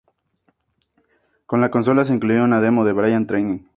Con la consola se incluía una demo de Brain Training.